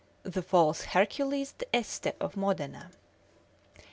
THE FALSE HERCULES D'ESTE OF MODENA.